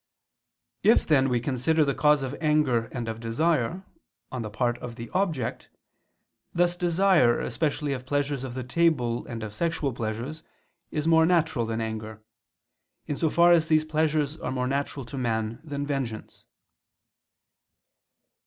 If then we consider the cause of anger and of desire, on the part of the object, thus desire, especially of pleasures of the table, and of sexual pleasures, is more natural than anger; in so far as these pleasures are more natural to man than vengeance.